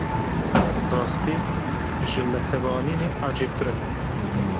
Rastî, ji lihevanînê ecêbtir e.